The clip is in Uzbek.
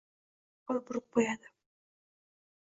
Kimdir darhol burib qo‘yadi.